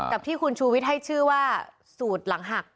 กับที่คุณชูวิทย์ให้ชื่อว่าสูตรหลังหัก